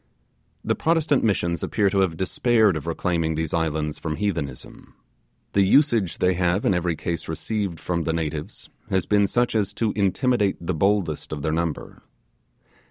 The Protestant Missions appear to have despaired of reclaiming these islands from heathenism. The usage they have in every case received from the natives has been such as to intimidate the boldest of their number.